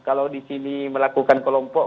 kalau di sini melakukan kelompok